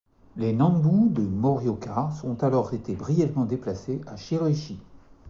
Les Nanbu de Morioka ont alors été brièvement déplacés à Shiroishi.